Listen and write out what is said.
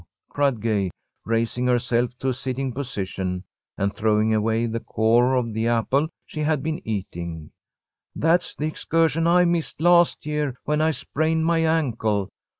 cried Gay, raising herself to a sitting position and throwing away the core of the apple she had been eating. "That's the excursion I missed last year when I sprained my ankle.